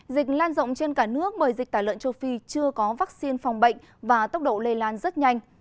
dịch lan rộng trên cả nước bởi dịch tả lợn châu phi chưa có vaccine phòng bệnh và tốc độ lây lan rất nhanh